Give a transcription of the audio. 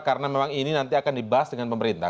karena memang ini nanti akan dibahas dengan pemerintah